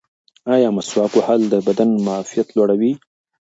ایا مسواک وهل د بدن معافیت لوړوي؟